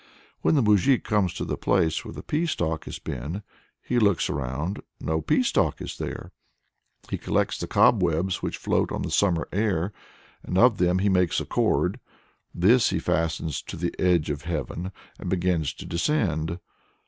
When the moujik comes to the place where the pea stalk had been, "he looks around no pea stalk is there." He collects the cobwebs "which float on the summer air," and of them he makes a cord; this he fastens "to the edge of heaven" and begins to descend.